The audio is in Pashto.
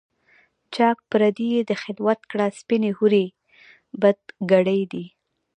چاک پردې یې د خلوت کړه سپیني حوري، بد ګړی دی